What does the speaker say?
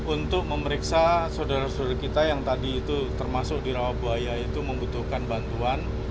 untuk memeriksa saudara saudara kita yang tadi itu termasuk di rawabuaya itu membutuhkan bantuan